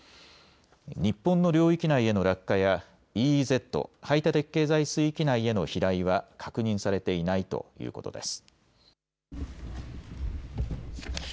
日本の領域内への落下やＥＥＺ・排他的経済水域内への飛来は確認されていないということです。